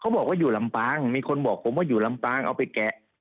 บอกว่าอยู่ลำปางมีคนบอกผมว่าอยู่ลำปางเอาไปแกะ